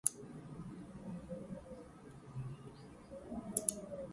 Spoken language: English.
Another significant innovation that has reshaped our daily lives is the smartphone.